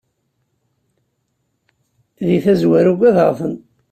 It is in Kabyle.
Di tazzwara ugadeɣ-ten.